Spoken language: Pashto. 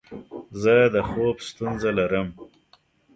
زه د خوب ستونزه لرم.